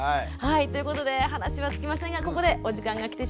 ということで話は尽きませんがここでお時間が来てしまいました。